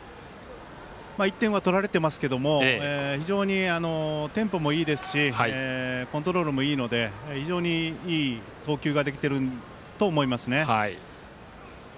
１点は取られてますけど非常にテンポもいいですしコントロールもいいので非常にいい投球ができてると思いますね。